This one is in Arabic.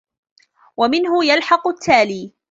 وَمِنْهُ يَلْحَقُ التَّالِي